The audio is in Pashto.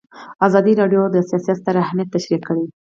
ازادي راډیو د سیاست ستر اهميت تشریح کړی.